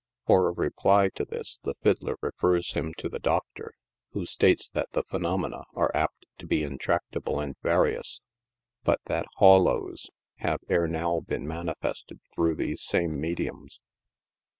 For a reply to this the fiddler refers him to the " Doctor," who states that the phenomena are apt to be intractable and various, but that " hawlos" have, ere now, been manifested through these same mediums.